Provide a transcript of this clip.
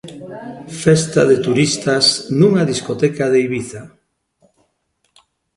Festa de turistas nunha discoteca de Ibiza.